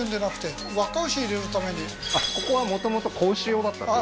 これあっここはもともと子牛用だったんですか？